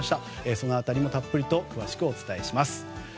その辺りもたっぷりと詳しくお伝えします。